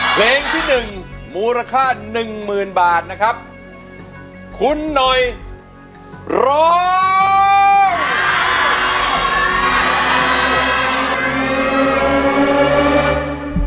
เพลงที่หนึ่งมูลค่าหนึ่งหมื่นบาทนะครับคุณหน่อยร้อง